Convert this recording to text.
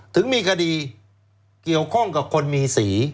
ถึงมีคดีเกี่ยวข้องกับคนมีสี